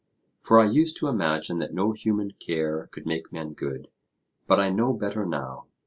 For I used to imagine that no human care could make men good; but I know better now.